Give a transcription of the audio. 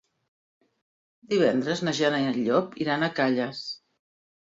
Divendres na Jana i en Llop iran a Calles.